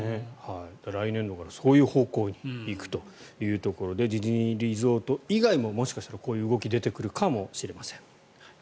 来年度からそういう方向に行くというところでディズニーリゾート以外ももしかしたらこういう動きが出てくるかもしれません。